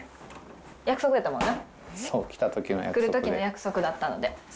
約束やったもんな。